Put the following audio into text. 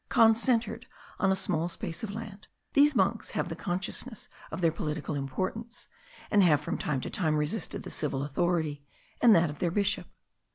Concentered on a small space of land, these monks have the consciousness of their political importance, and have from time to time resisted the civil authority, and that of their bishop.